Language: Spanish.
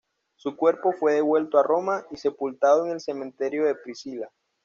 Su cuerpo fue devuelto a Roma y sepultado en el cementerio de Priscila.